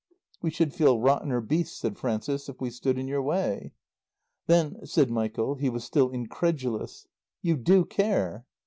"We should feel rottener beasts," said Frances, "if we stood in your way." "Then," said Michael (he was still incredulous), "you do care?"